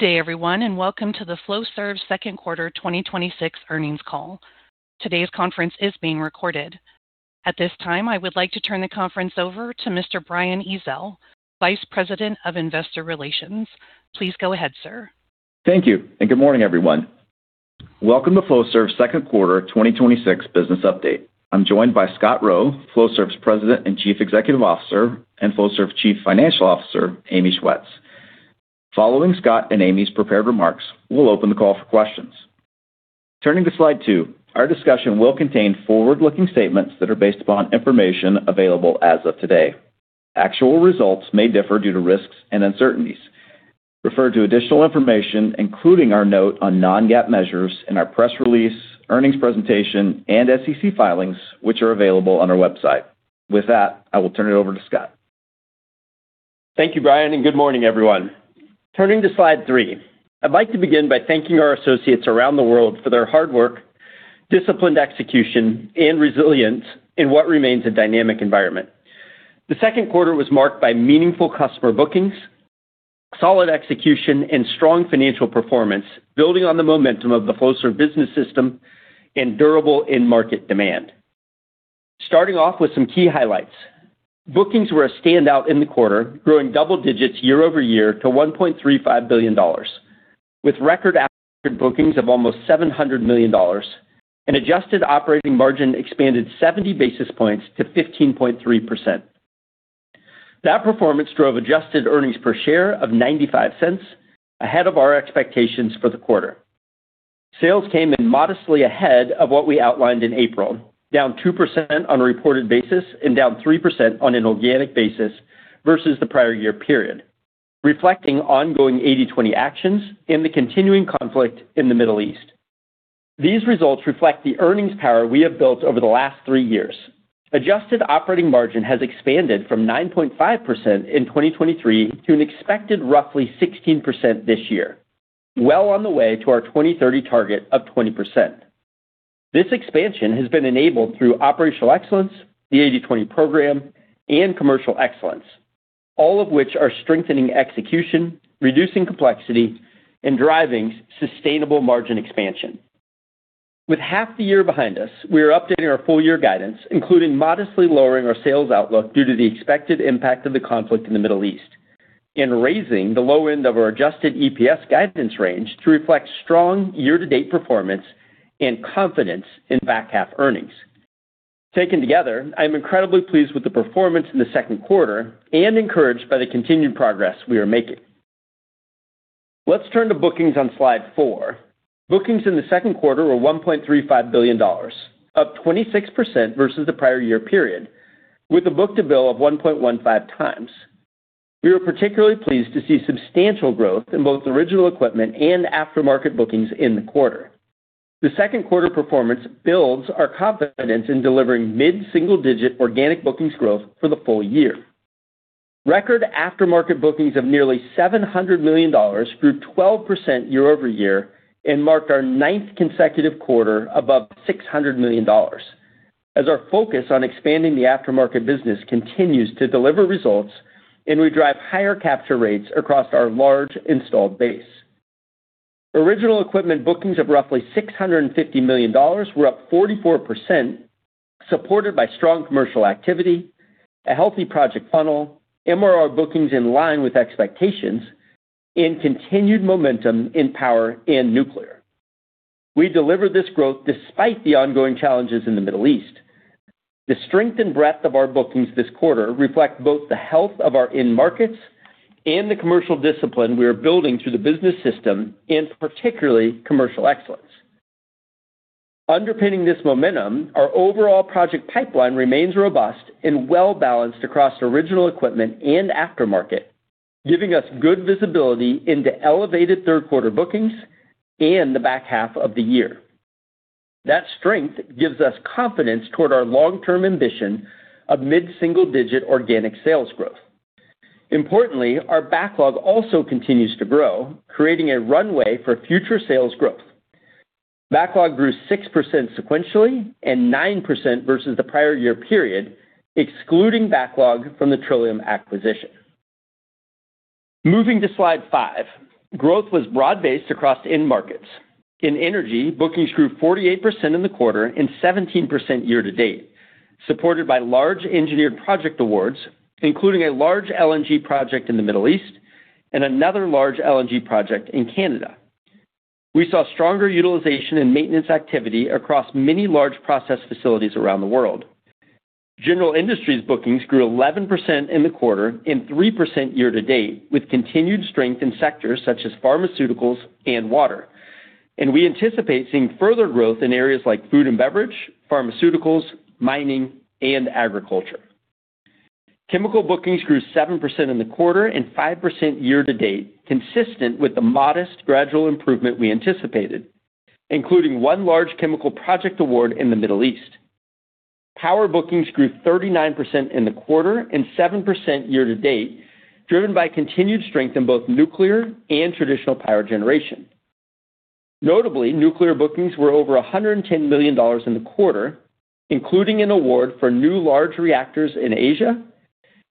Good day everyone. Welcome to the Flowserve second quarter 2026 earnings call. Today's conference is being recorded. At this time, I would like to turn the conference over to Mr. Brian Ezzell, Vice President of Investor Relations. Please go ahead, sir. Thank you. Good morning, everyone. Welcome to Flowserve's second quarter 2026 business update. I'm joined by Scott Rowe, Flowserve's President and Chief Executive Officer, and Flowserve Chief Financial Officer, Amy Schwetz. Following Scott and Amy's prepared remarks, we'll open the call for questions. Turning to slide two, our discussion will contain forward-looking statements that are based upon information available as of today. Actual results may differ due to risks and uncertainties. Refer to additional information, including our note on non-GAAP measures in our press release, earnings presentation, and SEC filings, which are available on our website. With that, I will turn it over to Scott. Thank you, Brian. Good morning, everyone. Turning to slide three. I'd like to begin by thanking our associates around the world for their hard work, disciplined execution, and resilience in what remains a dynamic environment. The second quarter was marked by meaningful customer bookings, solid execution, and strong financial performance, building on the momentum of the Flowserve Business System and durable end market demand. Starting off with some key highlights. Bookings were a standout in the quarter, growing double digits year-over-year to $1.35 billion. With record bookings of almost $700 million and adjusted operating margin expanded 70 basis points to 15.3%. That performance drove adjusted earnings per share of $0.95, ahead of our expectations for the quarter. Sales came in modestly ahead of what we outlined in April, down 2% on a reported basis and down 3% on an organic basis versus the prior year period, reflecting ongoing 80/20 actions and the continuing conflict in the Middle East. These results reflect the earnings power we have built over the last three years. Adjusted operating margin has expanded from 9.5% in 2023 to an expected roughly 16% this year, well on the way to our 2030 target of 20%. This expansion has been enabled through operational excellence, the 80/20 program and commercial excellence, all of which are strengthening execution, reducing complexity, and driving sustainable margin expansion. With half the year behind us, we are updating our full year guidance, including modestly lowering our sales outlook due to the expected impact of the conflict in the Middle East, and raising the low end of our adjusted EPS guidance range to reflect strong year-to-date performance and confidence in the back half earnings. Taken together, I am incredibly pleased with the performance in the second quarter and encouraged by the continued progress we are making. Let's turn to bookings on slide four. Bookings in the second quarter were $1.35 billion, up 26% versus the prior year period, with a book-to-bill of 1.15 times. We were particularly pleased to see substantial growth in both original equipment and aftermarket bookings in the quarter. The second quarter performance builds our confidence in delivering mid-single-digit organic bookings growth for the full year. Record aftermarket bookings of nearly $700 million grew 12% year-over-year and marked our ninth consecutive quarter above $600 million, as our focus on expanding the aftermarket business continues to deliver results and we drive higher capture rates across our large installed base. Original equipment bookings of roughly $650 million were up 44%, supported by strong commercial activity, a healthy project funnel, MRO bookings in line with expectations, and continued momentum in power and nuclear. We delivered this growth despite the ongoing challenges in the Middle East. The strength and breadth of our bookings this quarter reflect both the health of our end markets and the commercial discipline we are building through the business system and particularly commercial excellence. Underpinning this momentum, our overall project pipeline remains robust and well-balanced across original equipment and aftermarket, giving us good visibility into elevated third quarter bookings and the back half of the year. That strength gives us confidence toward our long-term ambition of mid-single-digit organic sales growth. Importantly, our backlog also continues to grow, creating a runway for future sales growth. Backlog grew 6% sequentially and 9% versus the prior year period, excluding backlog from the Trillium acquisition. Moving to slide five. Growth was broad-based across end markets. In energy, bookings grew 48% in the quarter and 17% year to date, supported by large engineered project awards, including a large LNG project in the Middle East and another large LNG project in Canada. We saw stronger utilization and maintenance activity across many large process facilities around the world. General Industries bookings grew 11% in the quarter and 3% year to date, with continued strength in sectors such as pharmaceuticals and water. We anticipate seeing further growth in areas like food and beverage, pharmaceuticals, mining and agriculture. Chemical bookings grew 7% in the quarter and 5% year to date, consistent with the modest gradual improvement we anticipated, including one large chemical project award in the Middle East. Power bookings grew 39% in the quarter and 7% year to date, driven by continued strength in both nuclear and traditional power generation. Notably, nuclear bookings were over $110 million in the quarter, including an award for new large reactors in Asia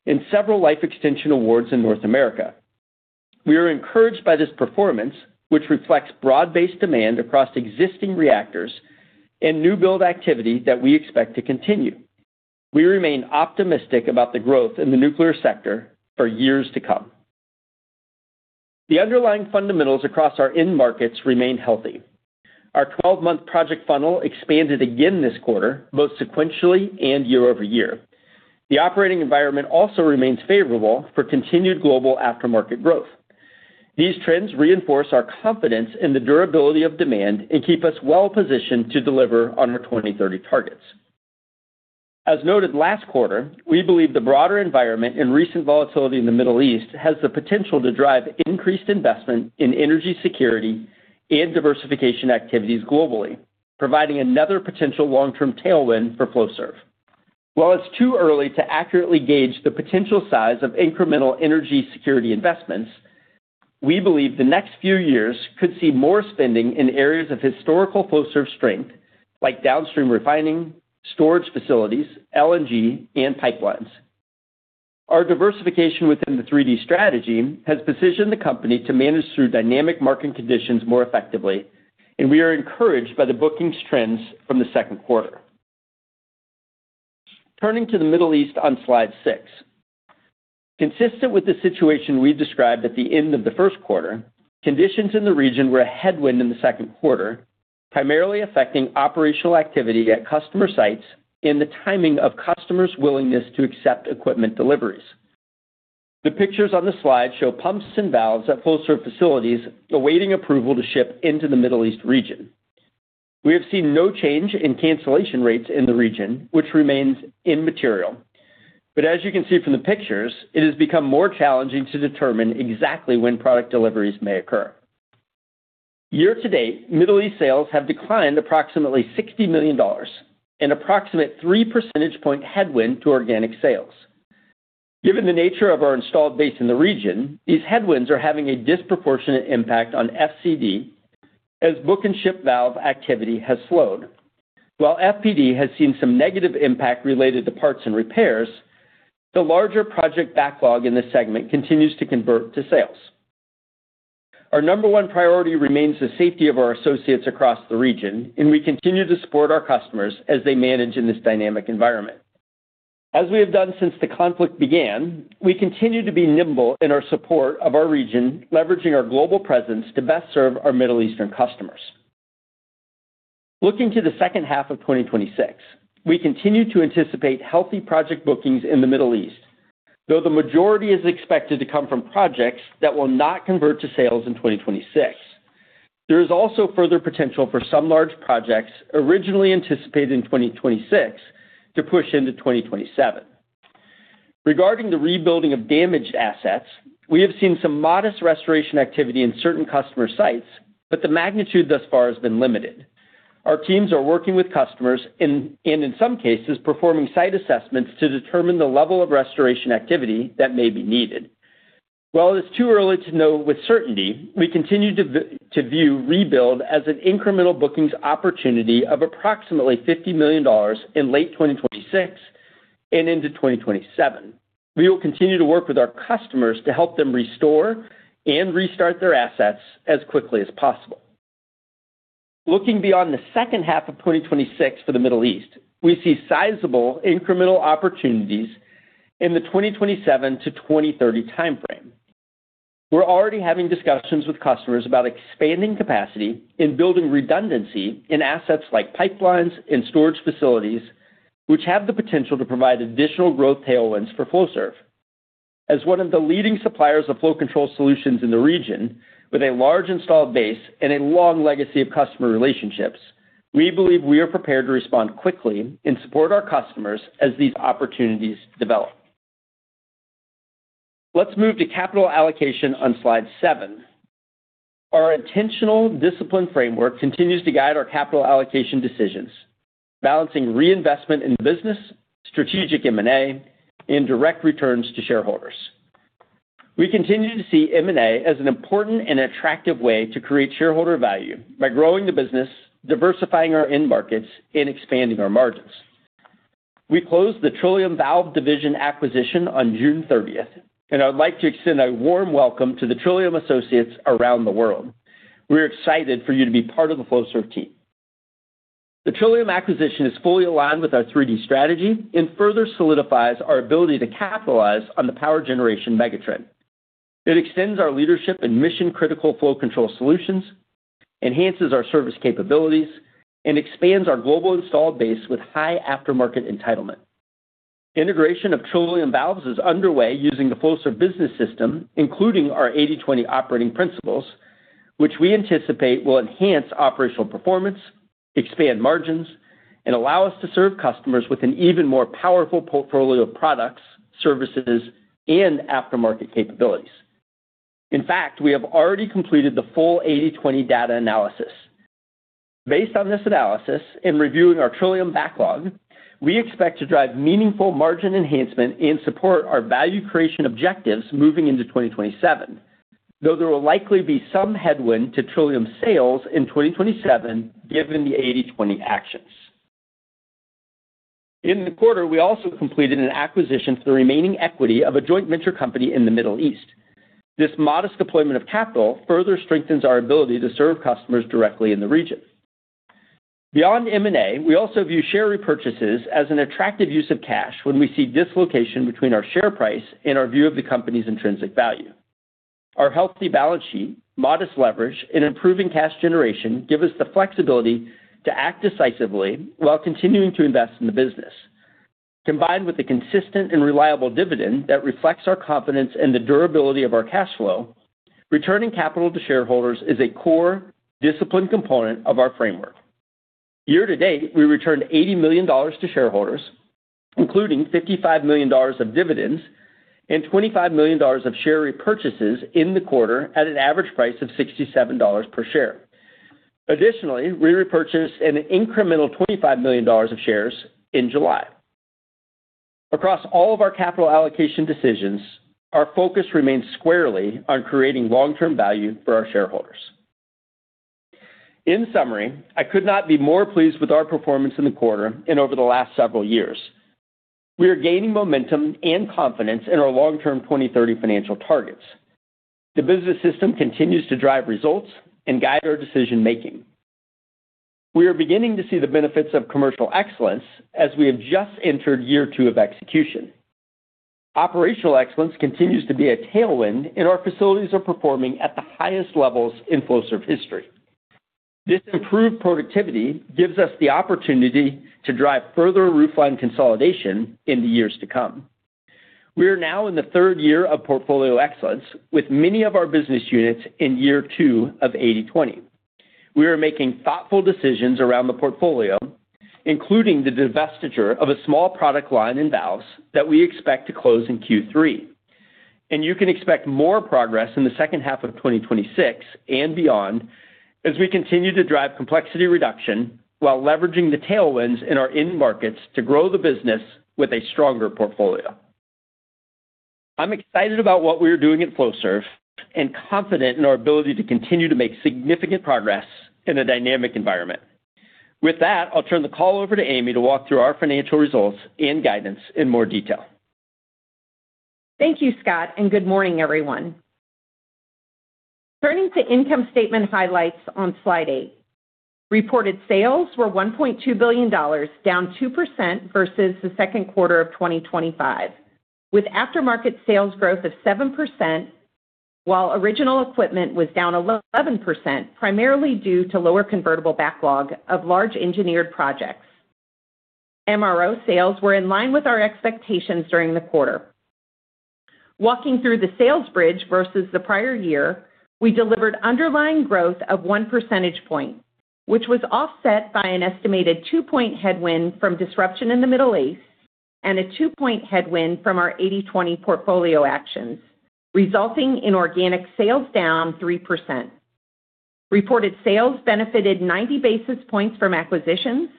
and several life extension awards in North America. We are encouraged by this performance, which reflects broad-based demand across existing reactors and new build activity that we expect to continue. We remain optimistic about the growth in the nuclear sector for years to come. The underlying fundamentals across our end markets remain healthy. Our 12-month project funnel expanded again this quarter, both sequentially and year-over-year. The operating environment also remains favorable for continued global aftermarket growth. These trends reinforce our confidence in the durability of demand and keep us well-positioned to deliver on our 2030 targets. As noted last quarter, we believe the broader environment and recent volatility in the Middle East has the potential to drive increased investment in energy security and diversification activities globally, providing another potential long-term tailwind for Flowserve. While it's too early to accurately gauge the potential size of incremental energy security investments, we believe the next few years could see more spending in areas of historical Flowserve strength, like downstream refining, storage facilities, LNG, and pipelines. Our diversification within the 3D strategy has positioned the company to manage through dynamic market conditions more effectively. We are encouraged by the bookings trends from the second quarter. Turning to the Middle East on slide six. Consistent with the situation we described at the end of the first quarter, conditions in the region were a headwind in the second quarter, primarily affecting operational activity at customer sites and the timing of customers' willingness to accept equipment deliveries. The pictures on the slide show pumps and valves at Flowserve facilities awaiting approval to ship into the Middle East region. We have seen no change in cancellation rates in the region, which remains immaterial. As you can see from the pictures, it has become more challenging to determine exactly when product deliveries may occur. Year-to-date, Middle East sales have declined approximately $60 million, an approximate three percentage point headwind to organic sales. Given the nature of our installed base in the region, these headwinds are having a disproportionate impact on FCD as book and ship valve activity has slowed. While FPD has seen some negative impact related to parts and repairs, the larger project backlog in this segment continues to convert to sales. Our number 1 priority remains the safety of our associates across the region. We continue to support our customers as they manage in this dynamic environment. As we have done since the conflict began, we continue to be nimble in our support of our region, leveraging our global presence to best serve our Middle Eastern customers. Looking to the second half of 2026, we continue to anticipate healthy project bookings in the Middle East, though the majority is expected to come from projects that will not convert to sales in 2026. There is also further potential for some large projects originally anticipated in 2026 to push into 2027. Regarding the rebuilding of damaged assets, we have seen some modest restoration activity in certain customer sites. The magnitude thus far has been limited. Our teams are working with customers and, in some cases, performing site assessments to determine the level of restoration activity that may be needed. While it's too early to know with certainty, we continue to view rebuild as an incremental bookings opportunity of approximately $50 million in late 2026 and into 2027. We will continue to work with our customers to help them restore and restart their assets as quickly as possible. Looking beyond the second half of 2026 for the Middle East, we see sizable incremental opportunities in the 2027 to 2030 timeframe. We're already having discussions with customers about expanding capacity and building redundancy in assets like pipelines and storage facilities, which have the potential to provide additional growth tailwinds for Flowserve. As one of the leading suppliers of flow control solutions in the region, with a large installed base and a long legacy of customer relationships, we believe we are prepared to respond quickly and support our customers as these opportunities develop. Let's move to capital allocation on slide seven. Our intentional discipline framework continues to guide our capital allocation decisions, balancing reinvestment in business, strategic M&A, and direct returns to shareholders. We continue to see M&A as an important and attractive way to create shareholder value by growing the business, diversifying our end markets, and expanding our margins. We closed the Trillium Valves Division acquisition on June 30th, and I would like to extend a warm welcome to the Trillium associates around the world. We're excited for you to be part of the Flowserve team. The Trillium acquisition is fully aligned with our 3D strategy and further solidifies our ability to capitalize on the power generation megatrend. It extends our leadership in mission-critical flow control solutions, enhances our service capabilities, and expands our global installed base with high aftermarket entitlement. Integration of Trillium Valves is underway using the Flowserve Business System, including our 80/20 operating principles, which we anticipate will enhance operational performance, expand margins, and allow us to serve customers with an even more powerful portfolio of products, services, and aftermarket capabilities. In fact, we have already completed the full 80/20 data analysis. Based on this analysis, in reviewing our Trillium backlog, we expect to drive meaningful margin enhancement and support our value creation objectives moving into 2027. Though there will likely be some headwind to Trillium sales in 2027, given the 80/20 actions. In the quarter, we also completed an acquisition for the remaining equity of a joint venture company in the Middle East. This modest deployment of capital further strengthens our ability to serve customers directly in the region. Beyond M&A, we also view share repurchases as an attractive use of cash when we see dislocation between our share price and our view of the company's intrinsic value. Our healthy balance sheet, modest leverage, and improving cash generation give us the flexibility to act decisively while continuing to invest in the business. Combined with the consistent and reliable dividend that reflects our confidence in the durability of our cash flow, returning capital to shareholders is a core discipline component of our framework. Year to date, we returned $80 million to shareholders, including $55 million of dividends and $25 million of share repurchases in the quarter at an average price of $67 per share. Additionally, we repurchased an incremental $25 million of shares in July. Across all of our capital allocation decisions, our focus remains squarely on creating long-term value for our shareholders. In summary, I could not be more pleased with our performance in the quarter and over the last several years. We are gaining momentum and confidence in our long-term 2030 financial targets. The Business System continues to drive results and guide our decision-making. We are beginning to see the benefits of commercial excellence as we have just entered year two of execution. Operational excellence continues to be a tailwind, and our facilities are performing at the highest levels in Flowserve history. This improved productivity gives us the opportunity to drive further roofline consolidation in the years to come. We are now in the third year of portfolio excellence, with many of our business units in year two of 80/20. We are making thoughtful decisions around the portfolio, including the divestiture of a small product line in valves that we expect to close in Q3. You can expect more progress in the second half of 2026 and beyond as we continue to drive complexity reduction while leveraging the tailwinds in our end markets to grow the business with a stronger portfolio. I'm excited about what we are doing at Flowserve and confident in our ability to continue to make significant progress in a dynamic environment. With that, I'll turn the call over to Amy to walk through our financial results and guidance in more detail. Thank you, Scott, and good morning, everyone. Turning to income statement highlights on slide eight. Reported sales were $1.2 billion, down 2% versus the second quarter of 2025, with aftermarket sales growth of 7%, while original equipment was down 11%, primarily due to lower convertible backlog of large engineered projects. MRO sales were in line with our expectations during the quarter. Walking through the sales bridge versus the prior year, we delivered underlying growth of one percentage point, which was offset by an estimated two-point headwind from disruption in the Middle East and a two-point headwind from our 80/20 portfolio actions, resulting in organic sales down 3%. Reported sales benefited 90 basis points from acquisitions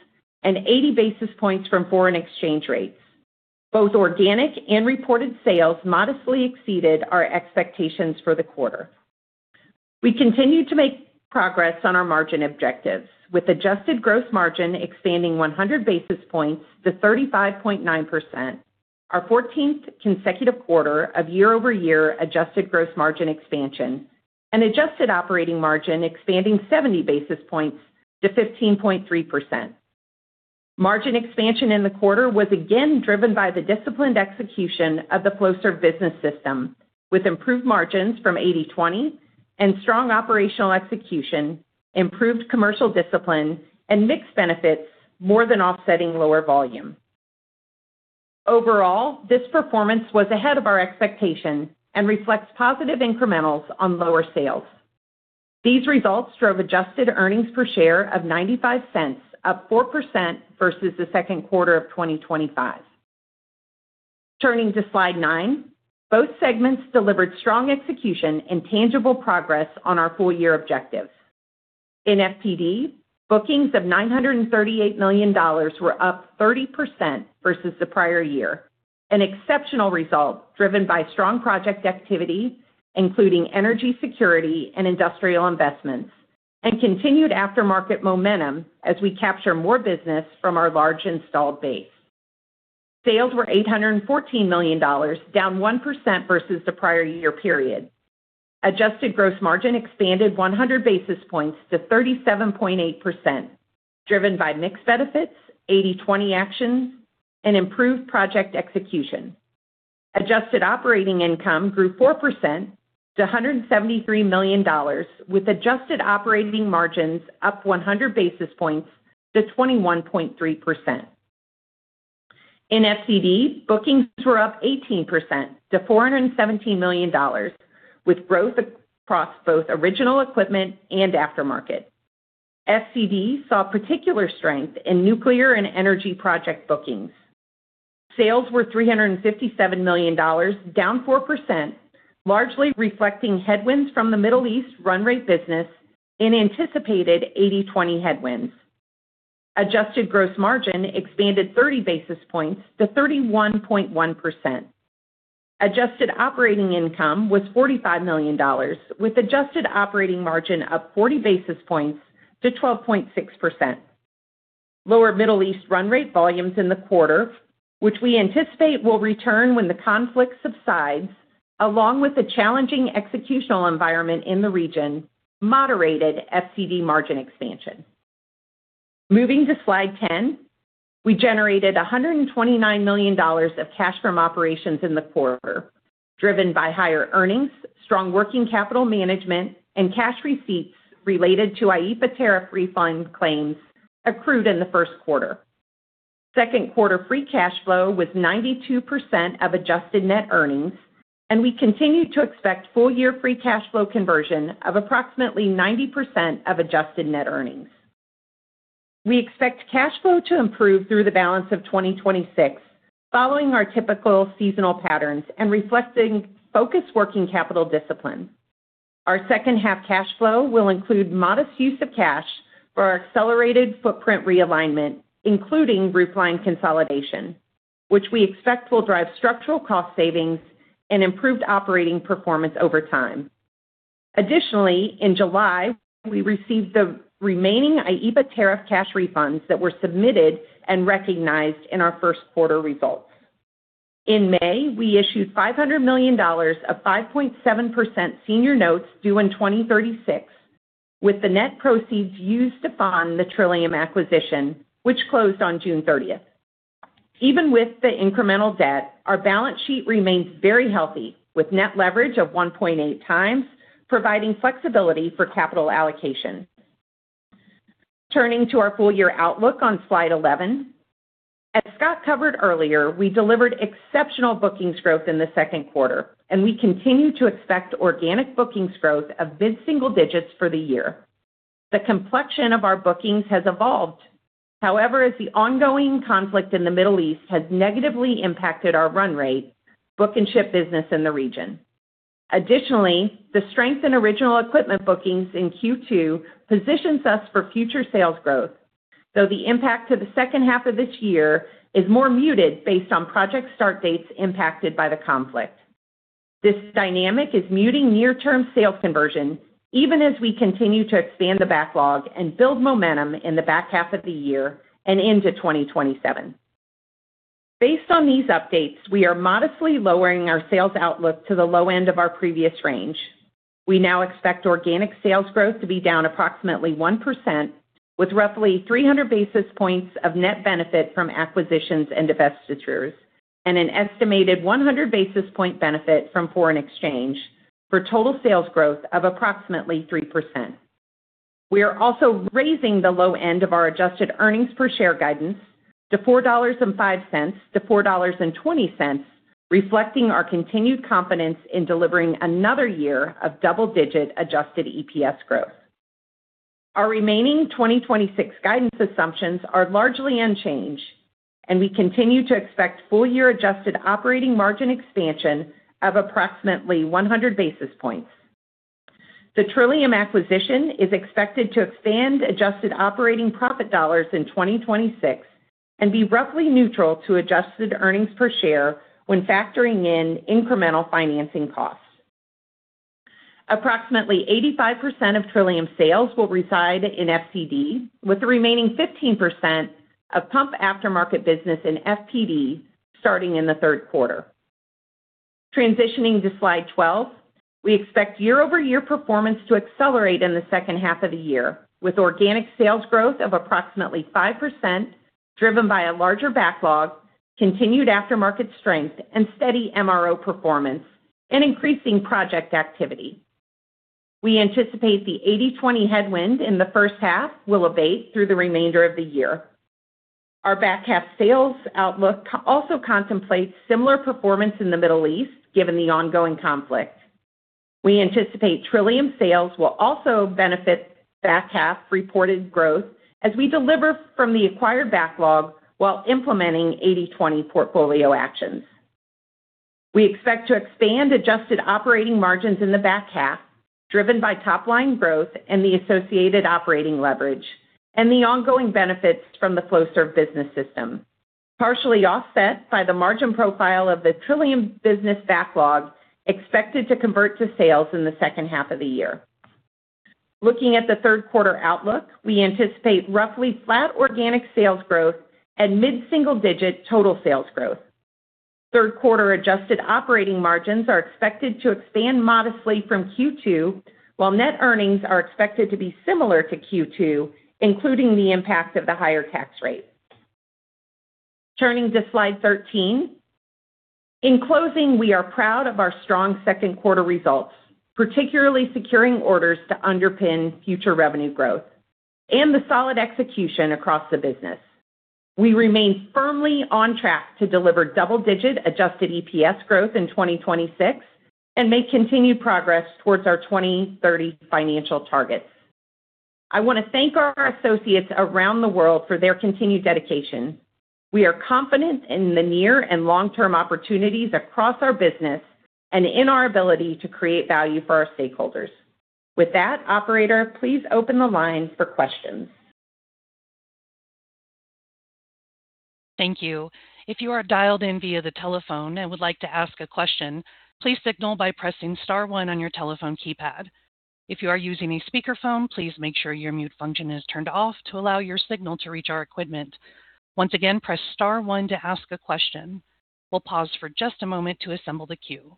and 80 basis points from foreign exchange rates. Both organic and reported sales modestly exceeded our expectations for the quarter. We continue to make progress on our margin objectives, with adjusted gross margin expanding 100 basis points to 35.9%, our 14th consecutive quarter of year-over-year adjusted gross margin expansion, and adjusted operating margin expanding 70 basis points to 15.3%. Margin expansion in the quarter was again driven by the disciplined execution of the Flowserve Business System, with improved margins from 80/20 and strong operational execution, improved commercial discipline, and mix benefits more than offsetting lower volume. Overall, this performance was ahead of our expectation and reflects positive incrementals on lower sales. These results drove adjusted earnings per share of $0.95, up 4% versus the second quarter of 2025. Turning to slide nine. Both segments delivered strong execution and tangible progress on our full year objectives. In FPD, bookings of $938 million were up 30% versus the prior year, an exceptional result driven by strong project activity, including energy security and industrial investments, and continued aftermarket momentum as we capture more business from our large installed base. Sales were $814 million, down 1% versus the prior year period. Adjusted gross margin expanded 100 basis points to 37.8%, driven by mix benefits, 80/20 actions, and improved project execution. Adjusted operating income grew 4% to $173 million, with adjusted operating margins up 100 basis points to 21.3%. In FCD, bookings were up 18% to $417 million, with growth across both original equipment and aftermarket. FCD saw particular strength in nuclear and energy project bookings. Sales were $357 million, down 4%, largely reflecting headwinds from the Middle East run rate business and anticipated 80/20 headwinds. Adjusted gross margin expanded 30 basis points to 31.1%. Adjusted operating income was $45 million, with adjusted operating margin up 40 basis points to 12.6%. Lower Middle East run rate volumes in the quarter, which we anticipate will return when the conflict subsides, along with the challenging executional environment in the region, moderated FCD margin expansion. Moving to Slide 10. We generated $129 million of cash from operations in the quarter, driven by higher earnings, strong working capital management, and cash receipts related to IEPA tariff refund claims accrued in the first quarter. Second quarter free cash flow was 92% of adjusted net earnings, and we continue to expect full-year free cash flow conversion of approximately 90% of adjusted net earnings. We expect cash flow to improve through the balance of 2026, following our typical seasonal patterns and reflecting focused working capital discipline. Our second half cash flow will include modest use of cash for our accelerated footprint realignment, including roofline consolidation, which we expect will drive structural cost savings and improved operating performance over time. Additionally, in July, we received the remaining IEPA tariff cash refunds that were submitted and recognized in our first quarter results. In May, we issued $500 million of 5.7% senior notes due in 2036, with the net proceeds used to fund the Trillium acquisition, which closed on June 30th. Even with the incremental debt, our balance sheet remains very healthy, with net leverage of 1.8 times, providing flexibility for capital allocation. Turning to our full-year outlook on Slide 11. As Scott covered earlier, we delivered exceptional bookings growth in the second quarter, and we continue to expect organic bookings growth of mid-single digits for the year. The complexion of our bookings has evolved. As the ongoing conflict in the Middle East has negatively impacted our run rate, book and ship business in the region. Additionally, the strength in original equipment bookings in Q2 positions us for future sales growth. Though the impact to the second half of this year is more muted based on project start dates impacted by the conflict. This dynamic is muting near-term sales conversion, even as we continue to expand the backlog and build momentum in the back half of the year and into 2027. Based on these updates, we are modestly lowering our sales outlook to the low end of our previous range. We now expect organic sales growth to be down approximately 1%, with roughly 300 basis points of net benefit from acquisitions and divestitures, and an estimated 100 basis point benefit from foreign exchange for total sales growth of approximately 3%. We are also raising the low end of our adjusted earnings per share guidance to $4.05-$4.20, reflecting our continued confidence in delivering another year of double-digit adjusted EPS growth. We continue to expect full-year adjusted operating margin expansion of approximately 100 basis points. The Trillium acquisition is expected to expand adjusted operating profit dollars in 2026 and be roughly neutral to adjusted earnings per share when factoring in incremental financing costs. Approximately 85% of Trillium sales will reside in FCD, with the remaining 15% of pump aftermarket business in FPD starting in the third quarter. Transitioning to Slide 12. We expect year-over-year performance to accelerate in the second half of the year, with organic sales growth of approximately 5%, driven by a larger backlog, continued aftermarket strength, and steady MRO performance and increasing project activity. We anticipate the 80/20 headwind in the first half will abate through the remainder of the year. Our back half sales outlook also contemplates similar performance in the Middle East, given the ongoing conflict. We anticipate Trillium sales will also benefit back half reported growth as we deliver from the acquired backlog while implementing 80/20 portfolio actions. We expect to expand adjusted operating margins in the back half, driven by top-line growth and the associated operating leverage and the ongoing benefits from the Flowserve Business System, partially offset by the margin profile of the Trillium business backlog, expected to convert to sales in the second half of the year. Looking at the third quarter outlook, we anticipate roughly flat organic sales growth and mid-single digit total sales growth. Third quarter adjusted operating margins are expected to expand modestly from Q2, while net earnings are expected to be similar to Q2, including the impact of the higher tax rate. Turning to Slide 13. In closing, we are proud of our strong second quarter results, particularly securing orders to underpin future revenue growth and the solid execution across the business. We remain firmly on track to deliver double-digit adjusted EPS growth in 2026 and make continued progress towards our 2030 financial targets. I want to thank our associates around the world for their continued dedication. We are confident in the near and long-term opportunities across our business and in our ability to create value for our stakeholders. With that, operator, please open the line for questions. Thank you. If you are dialed in via the telephone and would like to ask a question, please signal by pressing star one on your telephone keypad. If you are using a speakerphone, please make sure your mute function is turned off to allow your signal to reach our equipment. Once again, press star one to ask a question. We'll pause for just a moment to assemble the queue.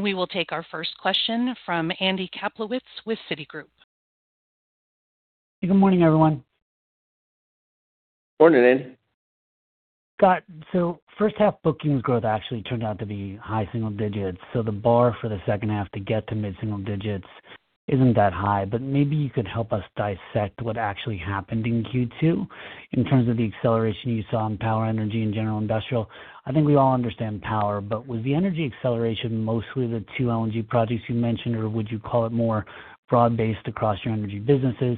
We will take our first question from Andrew Kaplowitz with Citigroup. Good morning, everyone. Morning, Andy. Scott, first half bookings growth actually turned out to be high single digits, the bar for the second half to get to mid-single digits isn't that high, but maybe you could help us dissect what actually happened in Q2 in terms of the acceleration you saw in power, energy, and general industrial. I think we all understand power, but was the energy acceleration mostly the two LNG projects you mentioned, or would you call it more broad-based across your energy businesses?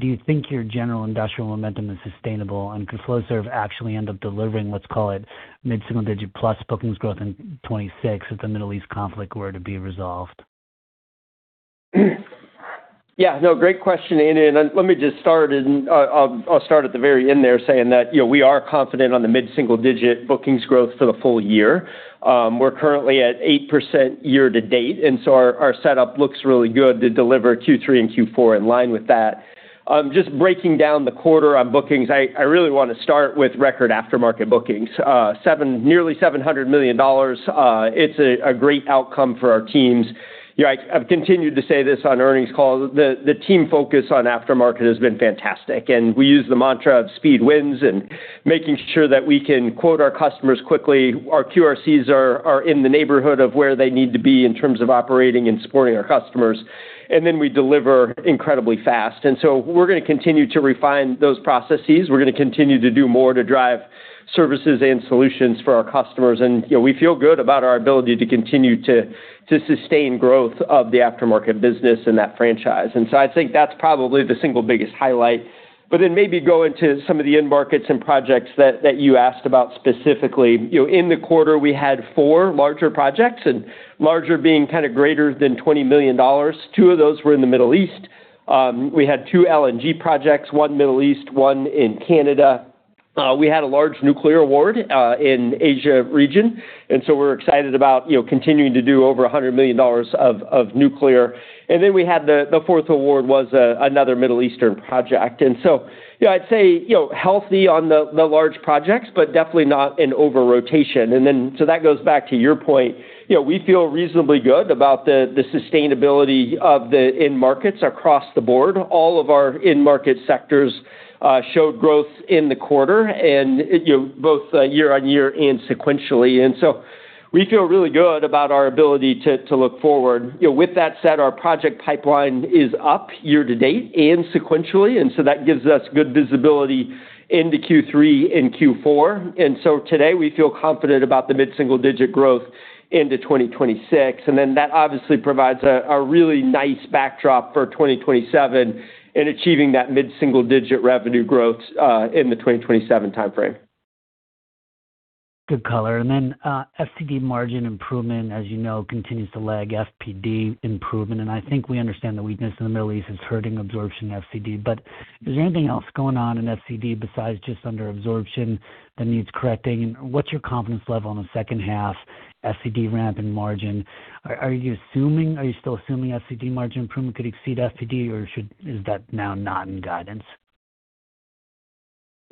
Do you think your general industrial momentum is sustainable? Could Flowserve actually end up delivering, let's call it, mid-single digit plus bookings growth in 2026 if the Middle East conflict were to be resolved? Great question, Andy, let me just start. I'll start at the very end there saying that we are confident on the mid-single digit bookings growth for the full year. We're currently at 8% year to date, our setup looks really good to deliver Q3 and Q4 in line with that. Just breaking down the quarter on bookings, I really want to start with record aftermarket bookings. Nearly $700 million. It's a great outcome for our teams. I've continued to say this on earnings calls. The team focus on aftermarket has been fantastic, and we use the mantra of speed wins and making sure that we can quote our customers quickly. Our QRCs are in the neighborhood of where they need to be in terms of operating and supporting our customers. We deliver incredibly fast. We're going to continue to refine those processes. We're going to continue to do more to drive services and solutions for our customers. We feel good about our ability to continue to sustain growth of the aftermarket business and that franchise. I think that's probably the single biggest highlight. Maybe go into some of the end markets and projects that you asked about specifically. In the quarter, we had four larger projects, and larger being kind of greater than $20 million. Two of those were in the Middle East. We had two LNG projects, one Middle East, one in Canada. We had a large nuclear award in Asia region, we're excited about continuing to do over $100 million of nuclear. We had the fourth award was another Middle Eastern project. I'd say, healthy on the large projects, but definitely not an over-rotation. That goes back to your point. We feel reasonably good about the sustainability of the end markets across the board. All of our end market sectors showed growth in the quarter and both year-on-year and sequentially. We feel really good about our ability to look forward. With that said, our project pipeline is up year-to-date and sequentially, that gives us good visibility into Q3 and Q4. Today, we feel confident about the mid-single digit growth into 2026. That obviously provides a really nice backdrop for 2027 in achieving that mid-single digit revenue growth in the 2027 timeframe. Good color. FCD margin improvement, as you know, continues to lag FPD improvement, and I think we understand the weakness in the Middle East is hurting absorption FCD. Is there anything else going on in FCD besides just under absorption that needs correcting? What's your confidence level on the second half FCD ramp and margin? Are you still assuming FCD margin improvement could exceed FPD, or is that now not in guidance?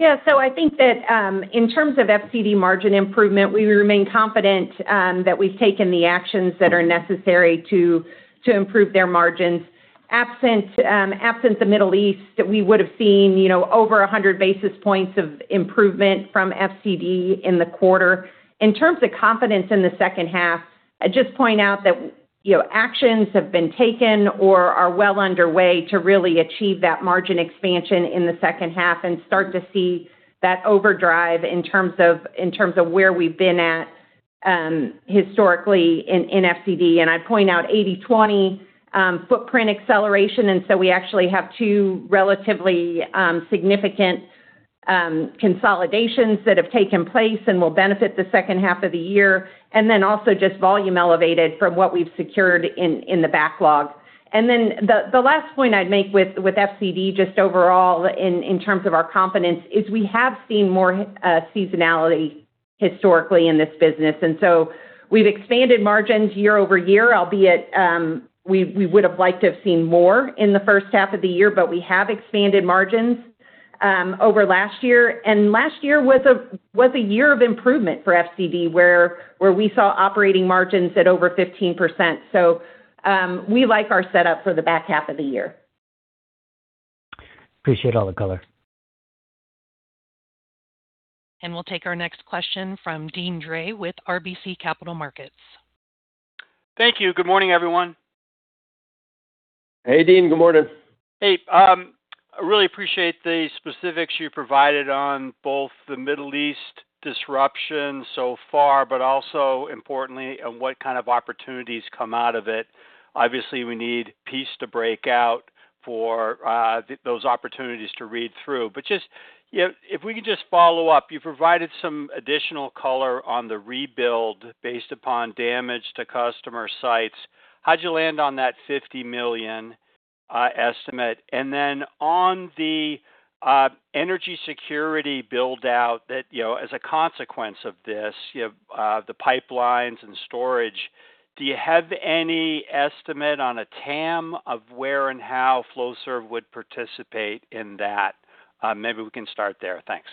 I think that in terms of FCD margin improvement, we remain confident that we've taken the actions that are necessary to improve their margins. Absent the Middle East, we would've seen over 100 basis points of improvement from FCD in the quarter. In terms of confidence in the second half, I'd just point out that actions have been taken or are well underway to really achieve that margin expansion in the second half and start to see that overdrive in terms of where we've been at historically in FCD. I'd point out 80-20 footprint acceleration, we actually have two relatively significant consolidations that have taken place and will benefit the second half of the year. Also just volume elevated from what we've secured in the backlog. The last point I'd make with FCD just overall in terms of our confidence is we have seen more seasonality historically in this business, we've expanded margins year-over-year, albeit we would've liked to have seen more in the first half of the year, but we have expanded margins over last year. Last year was a year of improvement for FCD, where we saw operating margins at over 15%. We like our setup for the back half of the year. Appreciate all the color. We'll take our next question from Deane Dray with RBC Capital Markets. Thank you. Good morning, everyone. Hey, Deane. Good morning. Hey, I really appreciate the specifics you provided on both the Middle East disruption so far, also importantly, on what kind of opportunities come out of it. Obviously, we need peace to break out for those opportunities to read through. If we can just follow up, you provided some additional color on the rebuild based upon damage to customer sites. How'd you land on that $50 million estimate? And then on the energy security build-out that as a consequence of this, the pipelines and storage, do you have any estimate on a TAM of where and how Flowserve would participate in that? Maybe we can start there. Thanks.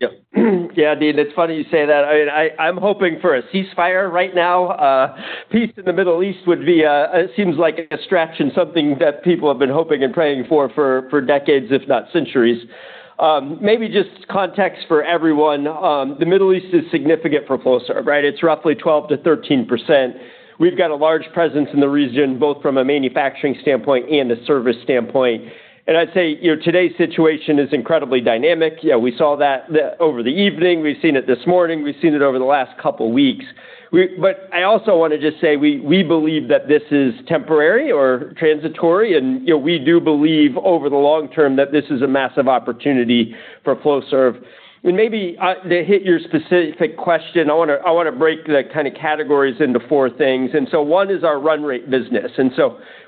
Yeah, Deane, it's funny you say that. I'm hoping for a ceasefire right now. Peace in the Middle East seems like a stretch and something that people have been hoping and praying for decades, if not centuries. Maybe just context for everyone. The Middle East is significant for Flowserve, right? It's roughly 12%-13%. We've got a large presence in the region, both from a manufacturing standpoint and a service standpoint. I'd say, today's situation is incredibly dynamic. We saw that over the evening. We've seen it this morning. We've seen it over the last couple of weeks. I also want to just say, we believe that this is temporary or transitory, and we do believe over the long term that this is a massive opportunity for Flowserve. Maybe to hit your specific question, I want to break the kind of categories into four things. One is our run rate business.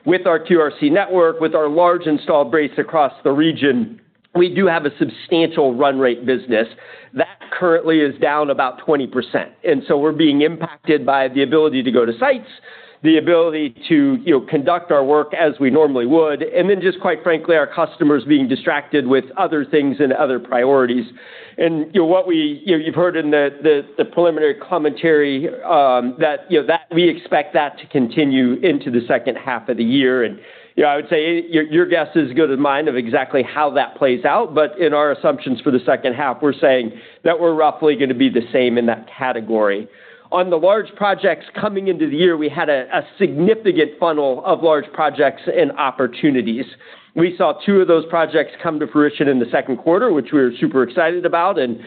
With our QRC network, with our large installed base across the region, we do have a substantial run rate business. That currently is down about 20%. We're being impacted by the ability to go to sites, the ability to conduct our work as we normally would, just quite frankly, our customers being distracted with other things and other priorities. You've heard in the preliminary commentary, that we expect that to continue into the second half of the year. I would say your guess is as good as mine of exactly how that plays out. In our assumptions for the second half, we're saying that we're roughly going to be the same in that category. On the large projects coming into the year, we had a significant funnel of large projects and opportunities. We saw two of those projects come to fruition in the second quarter, which we're super excited about. We're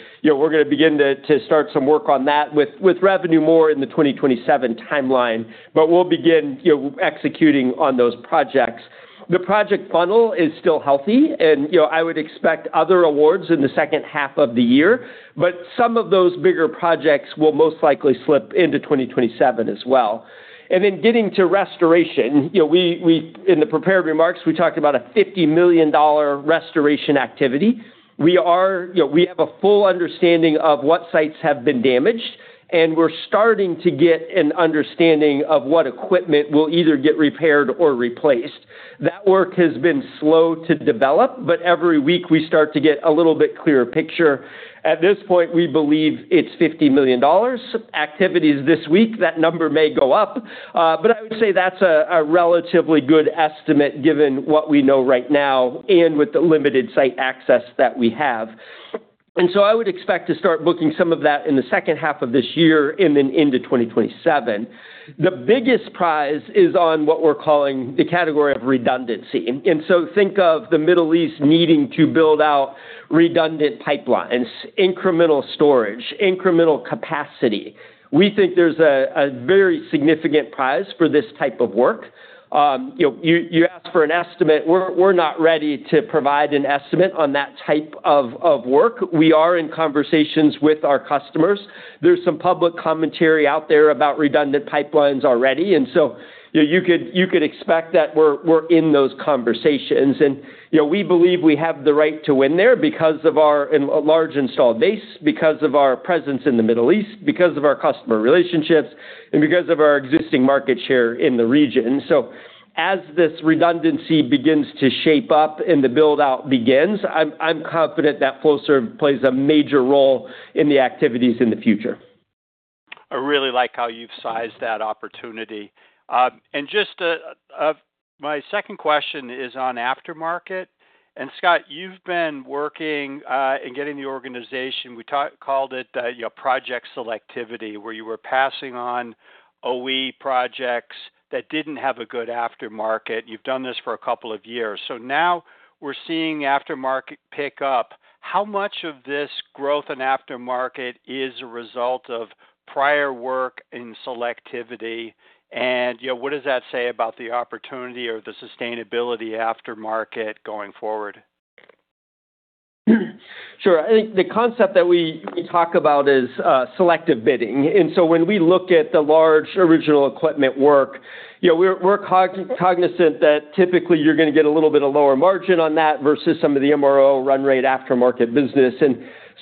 going to begin to start some work on that with revenue more in the 2027 timeline. We'll begin executing on those projects. The project funnel is still healthy, and I would expect other awards in the second half of the year. Some of those bigger projects will most likely slip into 2027 as well. Getting to restoration. In the prepared remarks, we talked about a $50 million restoration activity. We have a full understanding of what sites have been damaged, and we're starting to get an understanding of what equipment will either get repaired or replaced. That work has been slow to develop, but every week we start to get a little bit clearer picture. At this point, we believe it's $50 million. Activities this week, that number may go up. I would say that's a relatively good estimate given what we know right now and with the limited site access that we have. I would expect to start booking some of that in the second half of this year and then into 2027. The biggest prize is on what we're calling the category of redundancy. Think of the Middle East needing to build out redundant pipelines, incremental storage, incremental capacity. We think there's a very significant prize for this type of work. You asked for an estimate. We're not ready to provide an estimate on that type of work. We are in conversations with our customers. There's some public commentary out there about redundant pipelines already, so you could expect that we're in those conversations. We believe we have the right to win there because of our large installed base, because of our presence in the Middle East, because of our customer relationships, and because of our existing market share in the region. As this redundancy begins to shape up and the build-out begins, I'm confident that Flowserve plays a major role in the activities in the future. I really like how you've sized that opportunity. My second question is on aftermarket. Scott, you've been working and getting the organization, we called it project selectivity, where you were passing on OE projects that didn't have a good aftermarket. You've done this for a couple of years. Now we're seeing aftermarket pick up. How much of this growth in aftermarket is a result of prior work in selectivity? What does that say about the opportunity or the sustainability aftermarket going forward? Sure. I think the concept that we talk about is selective bidding. When we look at the large original equipment work, we're cognizant that typically you're going to get a little bit of lower margin on that versus some of the MRO run rate aftermarket business.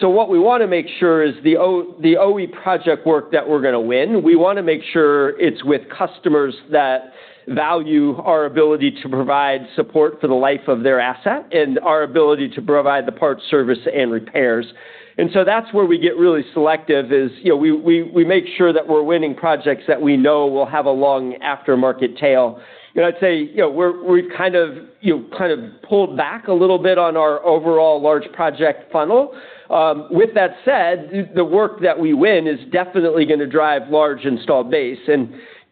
What we want to make sure is the OE project work that we're going to win, we want to make sure it's with customers that value our ability to provide support for the life of their asset and our ability to provide the parts, service, and repairs. That's where we get really selective is we make sure that we're winning projects that we know will have a long aftermarket tail. I'd say we've kind of pulled back a little bit on our overall large project funnel. With that said, the work that we win is definitely going to drive large installed base.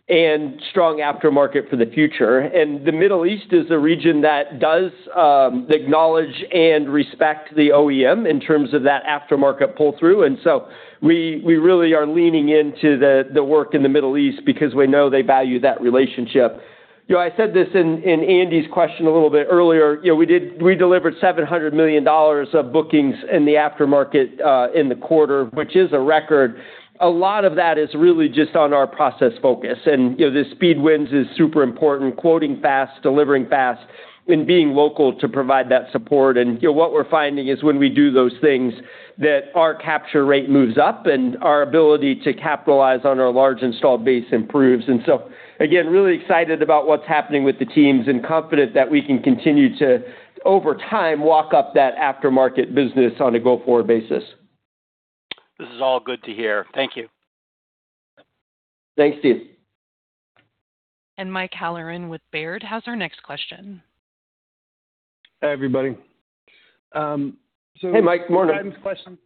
And strong aftermarket for the future. The Middle East is a region that does acknowledge and respect the OEM in terms of that aftermarket pull-through. We really are leaning into the work in the Middle East because we know they value that relationship. I said this in Andy's question a little bit earlier. We delivered $700 million of bookings in the aftermarket in the quarter, which is a record. A lot of that is really just on our process focus. The speed wins is super important, quoting fast, delivering fast, and being local to provide that support. What we're finding is when we do those things, that our capture rate moves up and our ability to capitalize on our large installed base improves. Again, really excited about what's happening with the teams and confident that we can continue to, over time, walk up that aftermarket business on a go-forward basis. This is all good to hear. Thank you. Thanks, Deane. Michael Halloran with Baird has our next question. Hi, everybody. Hey, Mike. Morning. Guidance question.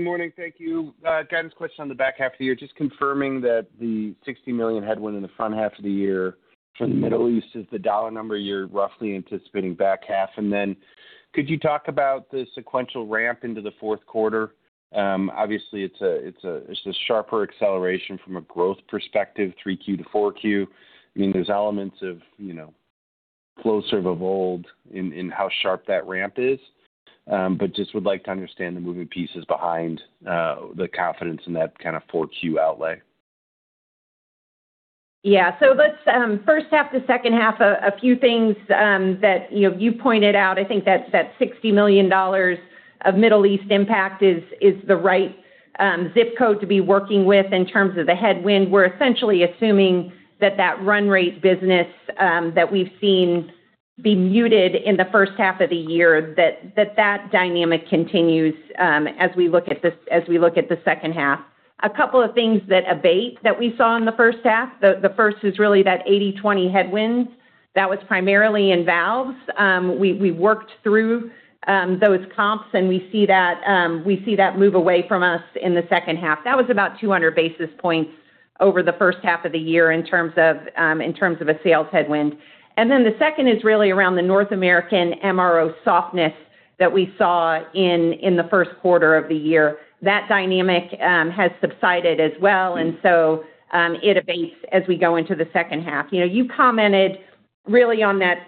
Morning. Thank you. Guidance question on the back half of the year. Just confirming that the $60 million headwind in the front half of the year from the Middle East is the dollar number you're roughly anticipating back half. Could you talk about the sequential ramp into the fourth quarter? Obviously it's the sharper acceleration from a growth perspective, 3Q to 4Q. There's elements of Flowserve of old in how sharp that ramp is. Just would like to understand the moving pieces behind the confidence in that kind of 4Q outlay. Let's first half to second half, a few things that you pointed out, I think that $60 million of Middle East impact is the right ZIP code to be working with in terms of the headwind. We're essentially assuming that that run rate business that we've seen be muted in the first half of the year, that dynamic continues as we look at the second half. A couple of things that abate that we saw in the first half. The first is really that 80/20 headwind that was primarily in valves. We worked through those comps, and we see that move away from us in the second half. That was about 200 basis points over the first half of the year in terms of a sales headwind. The second is really around the North American MRO softness that we saw in the first quarter of the year. That dynamic has subsided as well. It abates as we go into the second half. You commented really on that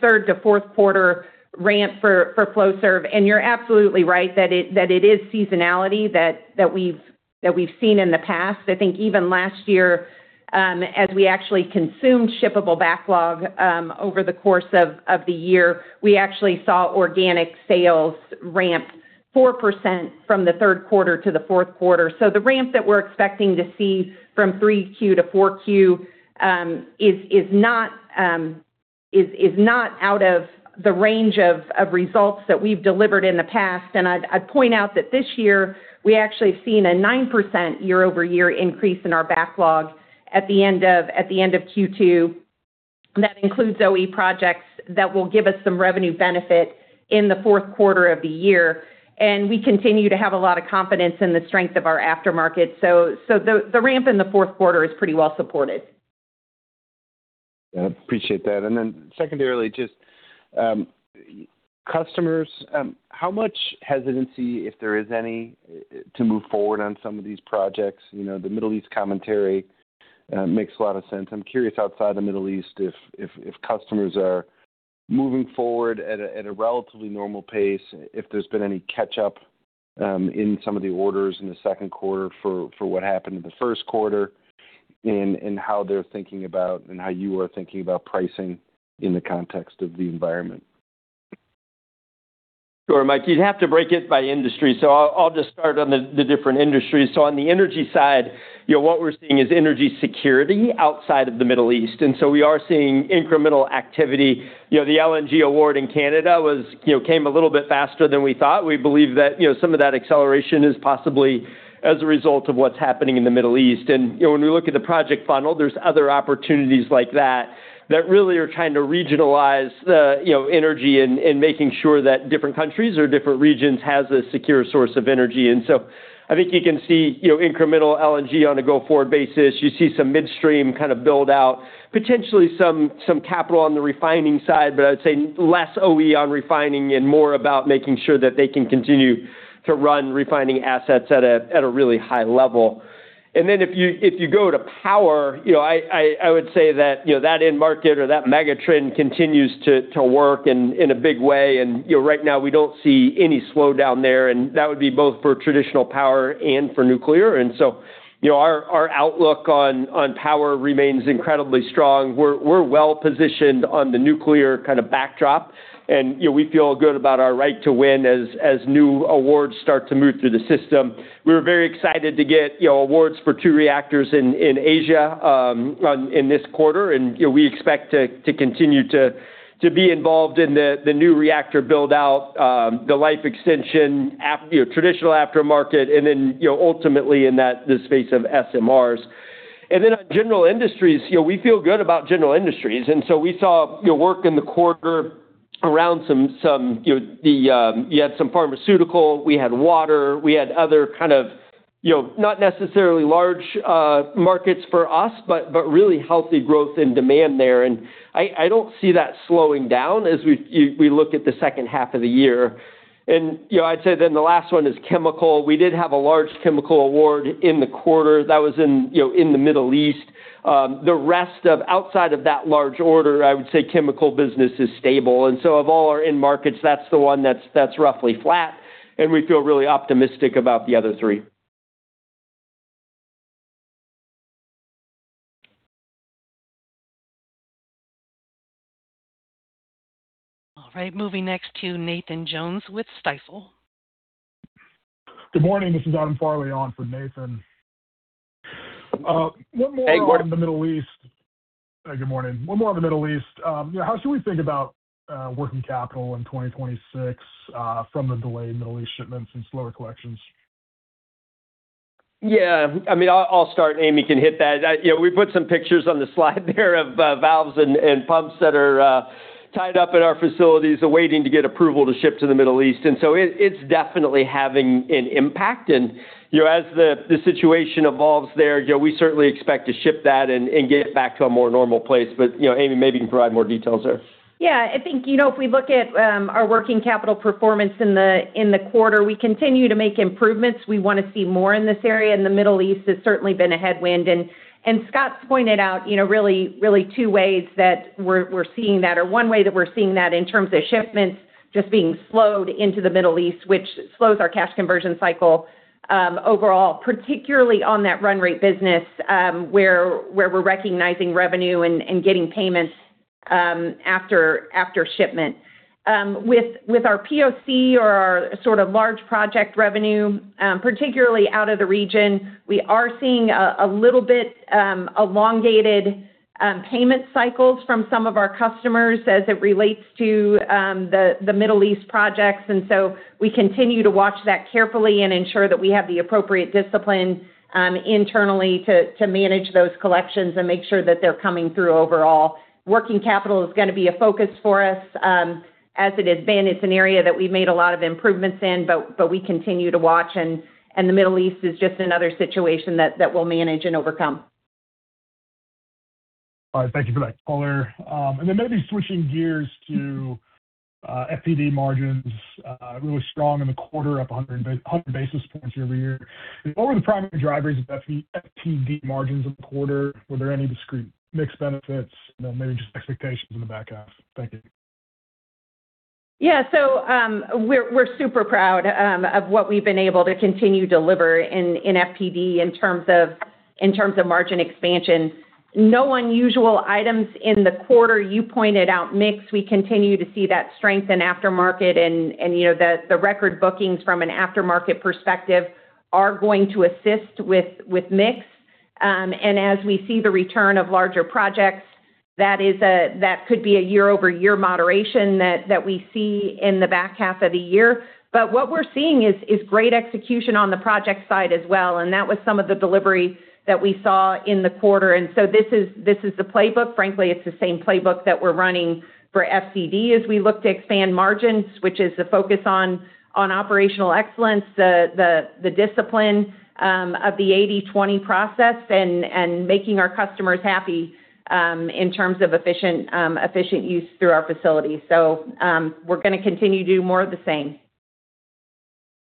third to fourth quarter ramp for Flowserve, and you're absolutely right that it is seasonality that we've seen in the past. I think even last year, as we actually consumed shippable backlog over the course of the year, we actually saw organic sales ramp 4% from the third quarter to the fourth quarter. The ramp that we're expecting to see from 3Q to 4Q is not out of the range of results that we've delivered in the past. I'd point out that this year we actually have seen a 9% year-over-year increase in our backlog at the end of Q2. That includes OE projects that will give us some revenue benefit in the fourth quarter of the year. We continue to have a lot of confidence in the strength of our aftermarket. The ramp in the fourth quarter is pretty well supported. Yeah. Appreciate that. Secondarily, just customers, how much hesitancy, if there is any, to move forward on some of these projects? The Middle East commentary makes a lot of sense. I'm curious outside the Middle East, if customers are moving forward at a relatively normal pace, if there's been any catch-up in some of the orders in the second quarter for what happened in the first quarter, how they're thinking about and how you are thinking about pricing in the context of the environment. Sure, Mike. You'd have to break it by industry. I'll just start on the different industries. On the energy side, what we're seeing is energy security outside of the Middle East. We are seeing incremental activity. The LNG award in Canada came a little bit faster than we thought. We believe that some of that acceleration is possibly as a result of what's happening in the Middle East. When we look at the project funnel, there's other opportunities like that that really are trying to regionalize energy and making sure that different countries or different regions has a secure source of energy. I think you can see incremental LNG on a go-forward basis. You see some midstream kind of build out, potentially some capital on the refining side, but I would say less OE on refining and more about making sure that they can continue to run refining assets at a really high level. If you go to power, I would say that end market or that mega trend continues to work in a big way. Right now we don't see any slowdown there, that would be both for traditional power and for nuclear. Our outlook on power remains incredibly strong. We're well positioned on the nuclear kind of backdrop, we feel good about our right to win as new awards start to move through the system. We were very excited to get awards for two reactors in Asia in this quarter, we expect to continue to be involved in the new reactor build out, the life extension, traditional aftermarket, then ultimately in the space of SMRs. On general industries, we feel good about general industries. We saw work in the quarter Around some, you had some pharmaceutical, we had water, we had other kind of not necessarily large markets for us, but really healthy growth in demand there. I don't see that slowing down as we look at the second half of the year. The last one is chemical. We did have a large chemical award in the quarter that was in the Middle East. The rest of outside of that large order, I would say chemical business is stable. Of all our end markets, that's the one that's roughly flat, and we feel really optimistic about the other three. All right. Moving next to Nathan Jones with Stifel. Good morning. This is Adam Farley on for Nathan. Hey, Adam. Good morning. One more on the Middle East. How should we think about working capital in 2026 from the delayed Middle East shipments and slower collections? Yeah, I'll start, Amy can hit that. We put some pictures on the slide there of valves and pumps that are tied up at our facilities awaiting to get approval to ship to the Middle East. It's definitely having an impact. As the situation evolves there, we certainly expect to ship that and get back to a more normal place. Amy, maybe you can provide more details there. Yeah, I think, if we look at our working capital performance in the quarter, we continue to make improvements. We want to see more in this area, the Middle East has certainly been a headwind. Scott's pointed out really two ways that we're seeing that, or one way that we're seeing that in terms of shipments just being slowed into the Middle East, which slows our cash conversion cycle, overall, particularly on that run rate business, where we're recognizing revenue and getting payments after shipment. With our POC or our sort of large project revenue, particularly out of the region, we are seeing a little bit elongated payment cycles from some of our customers as it relates to the Middle East projects. We continue to watch that carefully and ensure that we have the appropriate discipline internally to manage those collections and make sure that they're coming through overall. Working capital is going to be a focus for us, as it has been. It's an area that we've made a lot of improvements in, we continue to watch. The Middle East is just another situation that we'll manage and overcome. All right. Thank you for that color. Maybe switching gears to FPD margins, really strong in the quarter up 100 basis points year-over-year. What were the primary drivers of FPD margins in the quarter? Were there any discrete mix benefits? Maybe just expectations in the back half. Thank you. Yeah. We're super proud of what we've been able to continue to deliver in FPD in terms of margin expansion. No unusual items in the quarter. You pointed out mix. We continue to see that strength in aftermarket. The record bookings from an aftermarket perspective are going to assist with mix. As we see the return of larger projects, that could be a year-over-year moderation that we see in the back half of the year. What we're seeing is great execution on the project side as well. That was some of the delivery that we saw in the quarter. This is the playbook. Frankly, it's the same playbook that we're running for FPD as we look to expand margins, which is the focus on operational excellence, the discipline of the 80/20 process and making our customers happy, in terms of efficient use through our facilities. We're going to continue to do more of the same.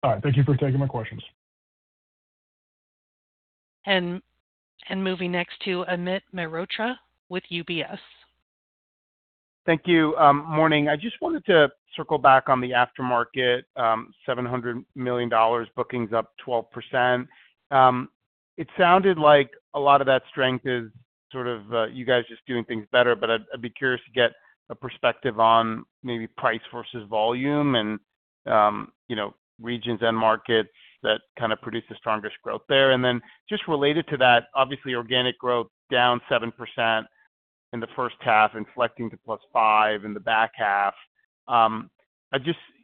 All right. Thank you for taking my questions. Moving next to Amit Mehrotra with UBS. Thank you. Morning. I just wanted to circle back on the aftermarket, $700 million bookings up 12%. It sounded like a lot of that strength is sort of you guys just doing things better, but I'd be curious to get a perspective on maybe price versus volume and regions and markets that kind of produce the strongest growth there. Just related to that, obviously, organic growth down 7% in the first half, inflecting to +5 in the back half.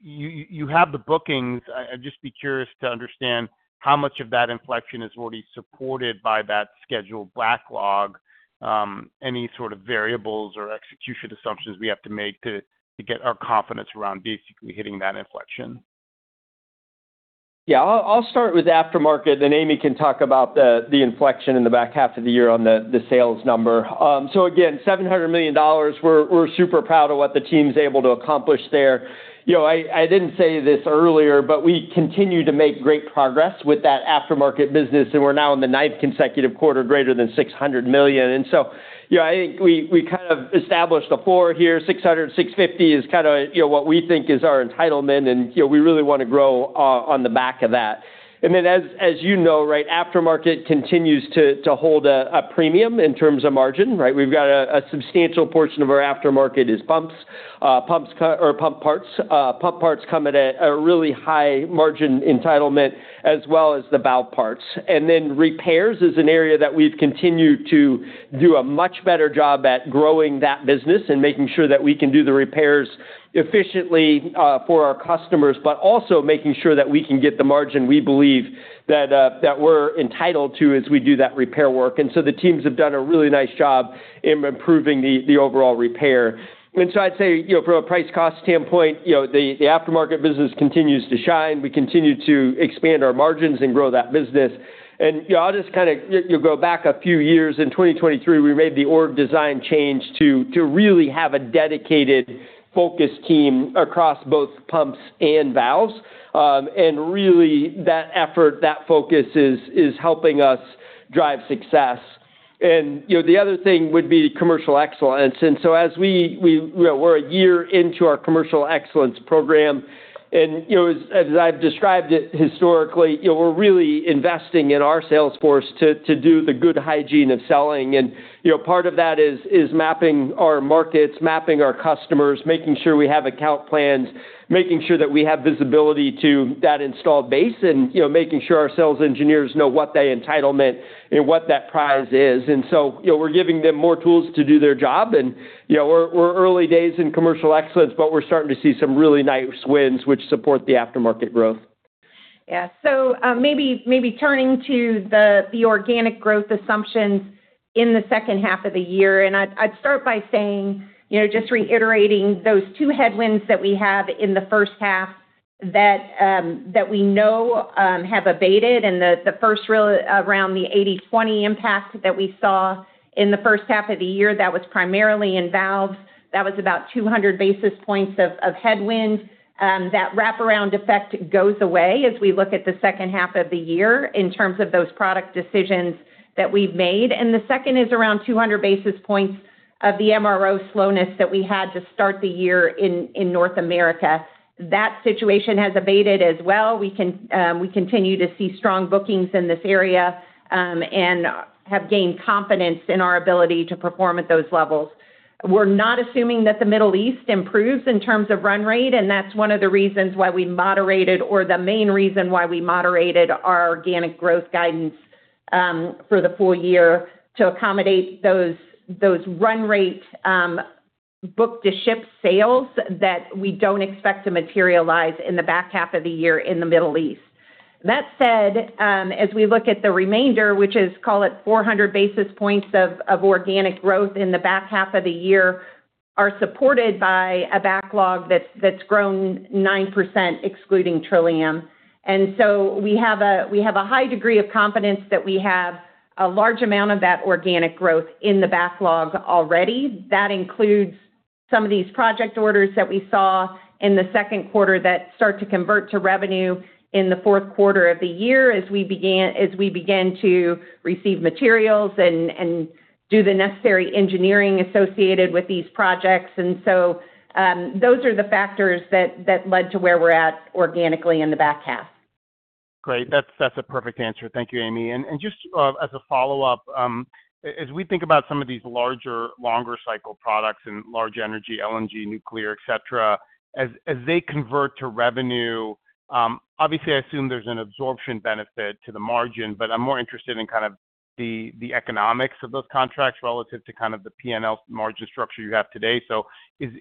You have the bookings. I'd just be curious to understand how much of that inflection is already supported by that scheduled backlog. Any sort of variables or execution assumptions we have to make to get our confidence around basically hitting that inflection? Yeah. I'll start with aftermarket, then Amy can talk about the inflection in the back half of the year on the sales number. Again, $700 million. We're super proud of what the team's able to accomplish there. I didn't say this earlier, but we continue to make great progress with that aftermarket business, and we're now in the ninth consecutive quarter greater than $600 million. I think we kind of established a floor here, $600 million, $650 million is kind of what we think is our entitlement and we really want to grow on the back of that. As you know, right after market continues to hold a premium in terms of margin, right? We've got a substantial portion of our aftermarket is pumps or pump parts. Pump parts come at a really high margin entitlement as well as the valve parts. Repairs is an area that we've continued to do a much better job at growing that business and making sure that we can do the repairs efficiently for our customers, but also making sure that we can get the margin we believe that we're entitled to as we do that repair work. The teams have done a really nice job in improving the overall repair. I'd say from a price cost standpoint, the aftermarket business continues to shine. We continue to expand our margins and grow that business. I'll just go back a few years. In 2023, we made the org design change to really have a dedicated focus team across both pumps and valves. Really, that effort, that focus, is helping us drive success. The other thing would be commercial excellence. As we're a year into our Commercial Excellence program, as I've described it historically, we're really investing in our sales force to do the good hygiene of selling. Part of that is mapping our markets, mapping our customers, making sure we have account plans, making sure that we have visibility to that installed base, and making sure our sales engineers know what that entitlement and what that prize is. We're giving them more tools to do their job. We're early days in Commercial Excellence, but we're starting to see some really nice wins which support the aftermarket growth. Maybe turning to the organic growth assumptions in the second half of the year, I'd start by saying, just reiterating those two headwinds that we have in the first half that we know have abated and the first real around the 80/20 impact that we saw in the first half of the year, that was primarily in valves. That was about 200 basis points of headwind. That wraparound effect goes away as we look at the second half of the year in terms of those product decisions that we've made. The second is around 200 basis points of the MRO slowness that we had to start the year in North America. That situation has abated as well. We continue to see strong bookings in this area, and have gained confidence in our ability to perform at those levels. We're not assuming that the Middle East improves in terms of run rate, that's one of the reasons why we moderated, or the main reason why we moderated our organic growth guidance for the full year to accommodate those run rate book-to-ship sales that we don't expect to materialize in the back half of the year in the Middle East. That said, as we look at the remainder, which is, call it 400 basis points of organic growth in the back half of the year, are supported by a backlog that's grown 9%, excluding Trillium. We have a high degree of confidence that we have a large amount of that organic growth in the backlog already. That includes some of these project orders that we saw in the second quarter that start to convert to revenue in the fourth quarter of the year as we begin to receive materials and do the necessary engineering associated with these projects. Those are the factors that led to where we're at organically in the back half. Great. That's a perfect answer. Thank you, Amy. Just as a follow-up, as we think about some of these larger, longer cycle products in large energy, LNG, nuclear, et cetera, as they convert to revenue, obviously I assume there's an absorption benefit to the margin, but I'm more interested in kind of the economics of those contracts relative to kind of the P&L margin structure you have today. Is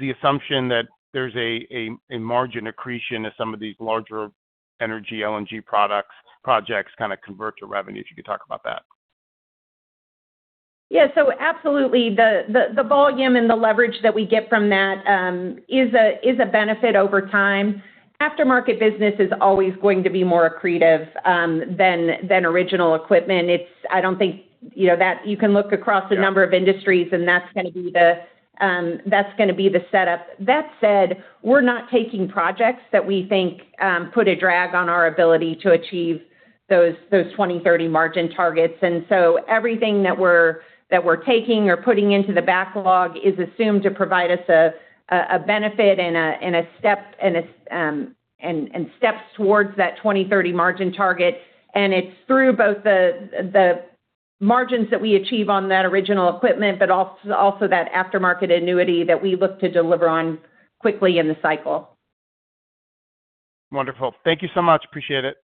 the assumption that there's a margin accretion as some of these larger energy LNG products projects kind of convert to revenue? If you could talk about that. Yeah, absolutely. The volume and the leverage that we get from that is a benefit over time. Aftermarket business is always going to be more accretive than original equipment. You can look across a number of industries and that's going to be the setup. That said, we're not taking projects that we think put a drag on our ability to achieve those 2030 margin targets. Everything that we're taking or putting into the backlog is assumed to provide us a benefit and steps towards that 2030 margin target. It's through both the margins that we achieve on that original equipment, but also that aftermarket annuity that we look to deliver on quickly in the cycle. Wonderful. Thank you so much. Appreciate it.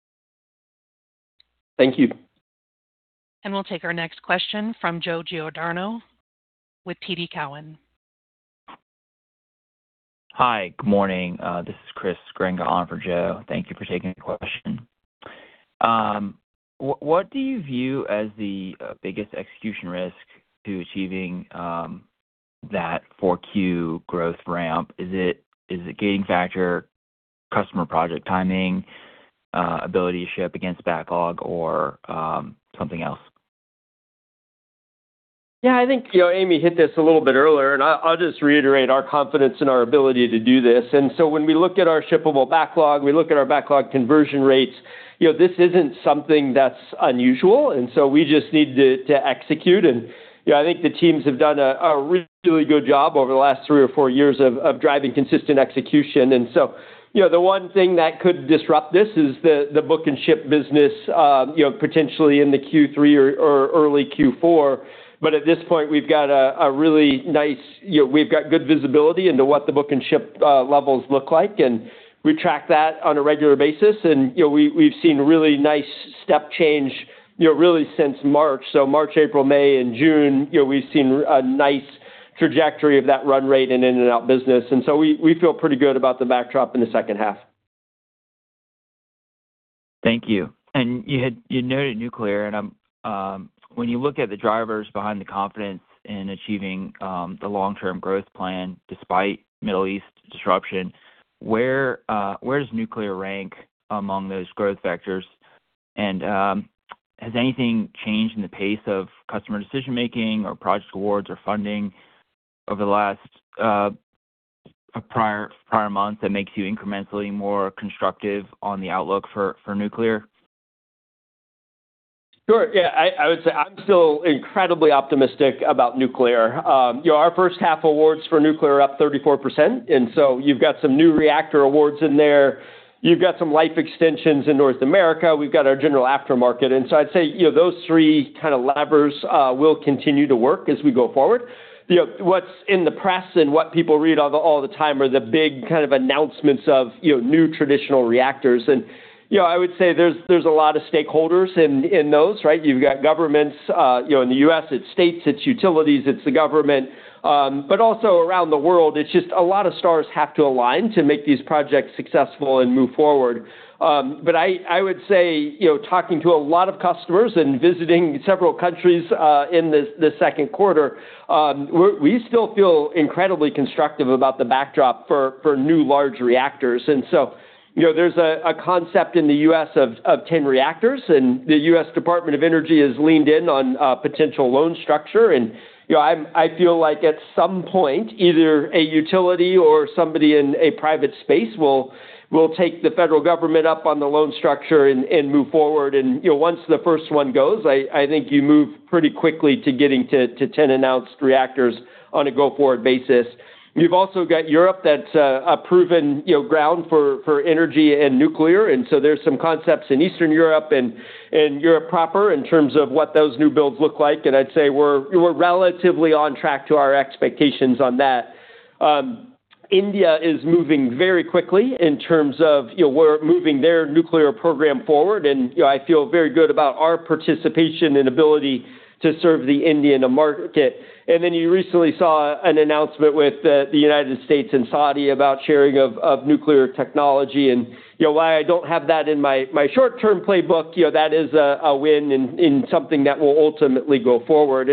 Thank you. We'll take our next question from Joe Giordano with TD Cowen. Hi. Good morning. This is Chris Grenga on for Joe. Thank you for taking the question. What do you view as the biggest execution risk to achieving that 4Q growth ramp? Is it gating factor, customer project timing, ability to ship against backlog, or something else? Yeah, I think Amy hit this a little bit earlier. I'll just reiterate our confidence in our ability to do this. When we look at our shippable backlog, we look at our backlog conversion rates, this isn't something that's unusual. We just need to execute. I think the teams have done a really good job over the last three or four years of driving consistent execution. The one thing that could disrupt this is the book and ship business, potentially in the Q3 or early Q4. At this point, we've got good visibility into what the book and ship levels look like, and we track that on a regular basis. We've seen really nice step change really since March. March, April, May, and June, we've seen a nice trajectory of that run rate and in and out business. We feel pretty good about the backdrop in the second half. Thank you. You noted nuclear. When you look at the drivers behind the confidence in achieving the long-term growth plan despite Middle East disruption, where does nuclear rank among those growth vectors? Has anything changed in the pace of customer decision-making or project awards or funding over the last prior month that makes you incrementally more constructive on the outlook for nuclear? Sure. Yeah, I would say I'm still incredibly optimistic about nuclear. Our first half awards for nuclear are up 34%. You've got some new reactor awards in there. You've got some life extensions in North America. We've got our general aftermarket. I'd say, those three levers will continue to work as we go forward. What's in the press and what people read all the time are the big kind of announcements of new traditional reactors. I would say there's a lot of stakeholders in those, right? You've got governments. In the U.S., it's states, it's utilities, it's the government. Also around the world, it's just a lot of stars have to align to make these projects successful and move forward. I would say, talking to a lot of customers and visiting several countries in the second quarter, we still feel incredibly constructive about the backdrop for new large reactors. There's a concept in the U.S. of 10 reactors. The U.S. Department of Energy has leaned in on potential loan structure. I feel like at some point, either a utility or somebody in a private space will take the federal government up on the loan structure and move forward. Once the first one goes, I think you move pretty quickly to getting to 10 announced reactors on a go-forward basis. You've also got Europe that's a proven ground for energy and nuclear. There's some concepts in Eastern Europe and Europe proper in terms of what those new builds look like. I'd say we're relatively on track to our expectations on that. India is moving very quickly in terms of we're moving their nuclear program forward. I feel very good about our participation and ability to serve the Indian market. You recently saw an announcement with the United States and Saudi about sharing of nuclear technology. While I don't have that in my short-term playbook, that is a win in something that will ultimately go forward.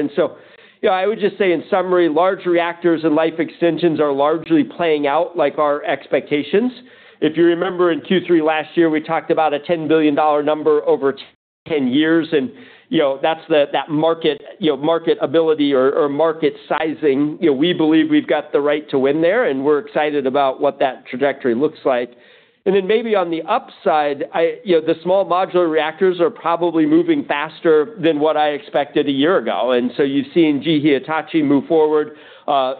I would just say in summary, large reactors and life extensions are largely playing out like our expectations. If you remember in Q3 last year, we talked about a $10 billion number over 10 years. That's that market ability or market sizing. We believe we've got the right to win there. We're excited about what that trajectory looks like. Maybe on the upside, the Small Modular Reactors are probably moving faster than what I expected a year ago. You've seen GE Hitachi move forward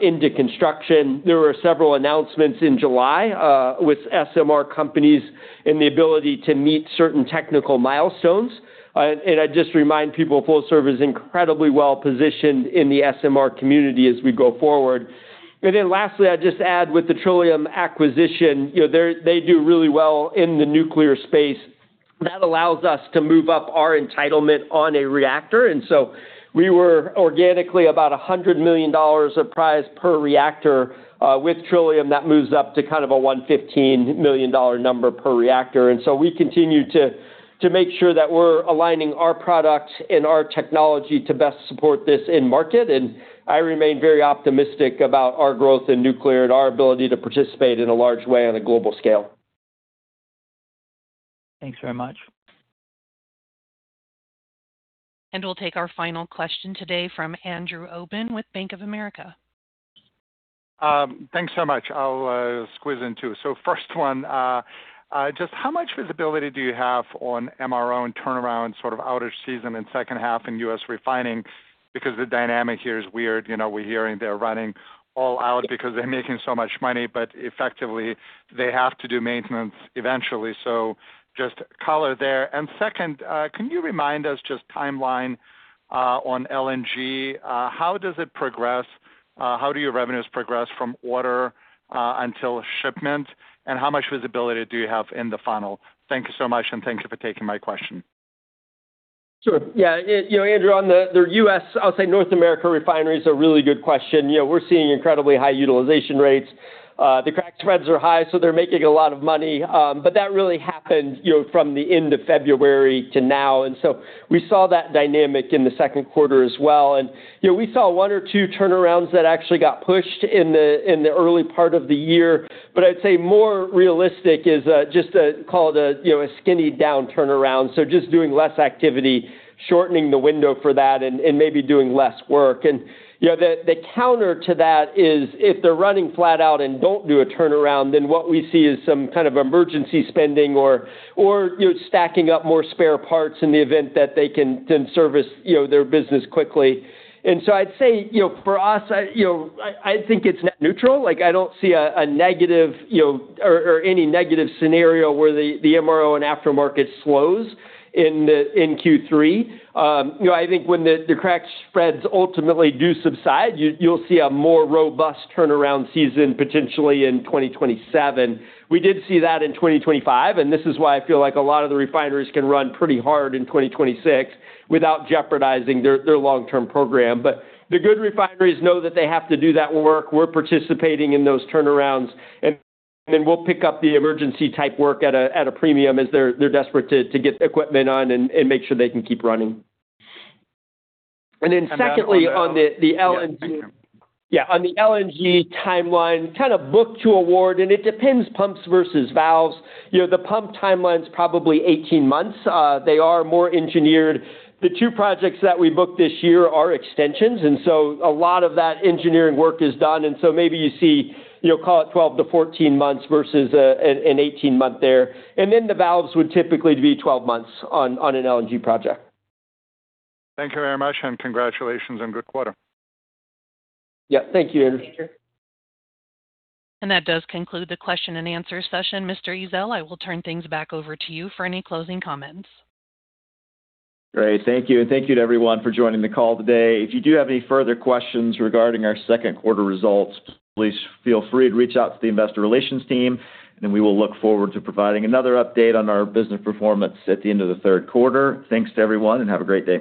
into construction. There were several announcements in July with SMR companies and the ability to meet certain technical milestones. I'd just remind people, Flowserve is incredibly well-positioned in the SMR community as we go forward. Lastly, I'd just add with the Trillium acquisition, they do really well in the nuclear space. That allows us to move up our entitlement on a reactor. We were organically about $100 million a prize per reactor. With Trillium, that moves up to kind of a $115 million number per reactor. We continue to make sure that we're aligning our product and our technology to best support this in market, and I remain very optimistic about our growth in nuclear and our ability to participate in a large way on a global scale. Thanks very much. We'll take our final question today from Andrew Obin with Bank of America. Thanks so much. I'll squeeze in two. First one, just how much visibility do you have on MRO and turnaround sort of outage season in second half in U.S. refining? The dynamic here is weird. We're hearing they're running all out because they're making so much money, but effectively, they have to do maintenance eventually. Just color there. Second, can you remind us just timeline on LNG? How does it progress? How do your revenues progress from order until shipment, and how much visibility do you have in the funnel? Thank you so much, and thank you for taking my question. Sure. Yeah. Andrew, on the U.S., I'll say North America refineries, a really good question. We're seeing incredibly high utilization rates. The crack spreads are high, so they're making a lot of money. That really happened from the end of February to now. We saw that dynamic in the second quarter as well. We saw one or two turnarounds that actually got pushed in the early part of the year. I'd say more realistic is just call it a skinny down turnaround, so just doing less activity, shortening the window for that, and maybe doing less work. The counter to that is if they're running flat out and don't do a turnaround, what we see is some kind of emergency spending or stacking up more spare parts in the event that they can service their business quickly. I'd say for us, I think it's net neutral. I don't see a negative or any negative scenario where the MRO and aftermarket slows in Q3. I think when the crack spreads ultimately do subside, you'll see a more robust turnaround season potentially in 2027. We did see that in 2025, and this is why I feel like a lot of the refineries can run pretty hard in 2026 without jeopardizing their long-term program. The good refineries know that they have to do that work. We're participating in those turnarounds, and then we'll pick up the emergency type work at a premium as they're desperate to get equipment on and make sure they can keep running. Secondly- On the- On the LNG- Yeah, thanks, Andrew. Yeah, on the LNG timeline, kind of book to award, and it depends pumps versus valves. The pump timeline's probably 18 months. They are more engineered. The two projects that we booked this year are extensions, and so a lot of that engineering work is done. Maybe you see, call it 12 to 14 months versus an 18-month there. The valves would typically be 12 months on an LNG project. Thank you very much, and congratulations on good quarter. Yeah. Thank you, Andrew. Thank you. That does conclude the question and answer session. Mr. Ezzell, I will turn things back over to you for any closing comments. Great. Thank you. Thank you to everyone for joining the call today. If you do have any further questions regarding our second quarter results, please feel free to reach out to the investor relations team, we will look forward to providing another update on our business performance at the end of the third quarter. Thanks to everyone, have a great day.